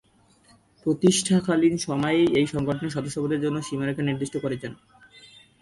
প্রতিষ্ঠাকালীন সময়েই এ সংগঠনের সদস্যপদের জন্য সীমারেখা নির্দিষ্ট করে যান।